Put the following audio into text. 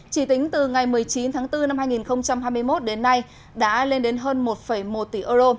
chỉ tính từ ngày một mươi chín tháng bốn năm hai nghìn hai mươi một đến nay đã lên đến hơn một một tỷ euro